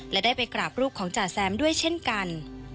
และได้ไปกราบรูปของจ่าแซมด้วยเช่นกัน